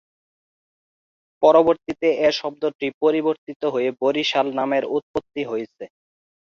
পরবর্তিতে এ শব্দটি পরিবর্তিত হয়ে বরিশাল নামের উৎপত্তি হয়েছে।